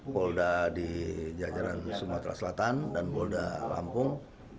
polda di jajaran sumatera selatan dan polda lampung